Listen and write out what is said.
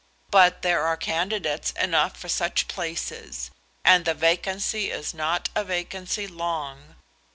But there are candidates enough for such places, and the vacancy is not a vacancy long.